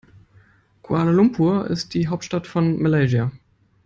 Kuala Lumpur ist die Hauptstadt von Malaysia.